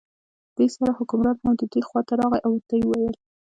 دې سره حکمران هم د دوی خواته راغی او ورته یې وویل.